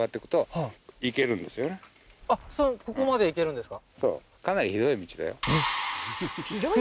あっここまで行けるんですか？